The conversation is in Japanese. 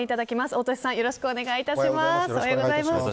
大利さんよろしくお願いします。